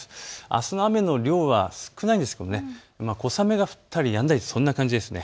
あすの雨の量は少ないんですけれど小雨が降ったりやんだりそんな感じです。